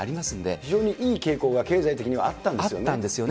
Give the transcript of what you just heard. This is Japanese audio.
非常にいい傾向が経済的にはあったんですね。